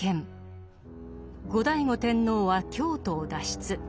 後醍醐天皇は京都を脱出。